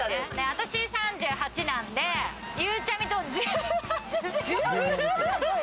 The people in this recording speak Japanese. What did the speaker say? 私３８なんで、ゆうちゃみと１８違う。